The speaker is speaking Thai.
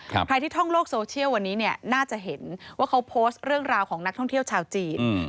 ใครที่ท่องโลกโซเชียลวันนี้เนี่ยน่าจะเห็นว่าเขาโพสต์เรื่องราวของนักท่องเที่ยวชาวจีนอืม